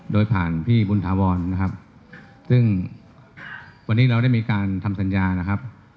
โดยผ่านพี่บุญถาวรนะครับซึ่งวันนี้เราได้มีการทำสัญญานะครับ